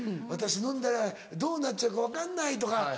「私飲んだらどうなっちゃうか分かんない」とか。